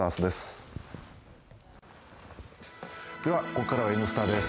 ここからは「Ｎスタ」です。